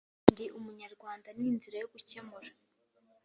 ndi umunyarwanda ni inzira yo gukemura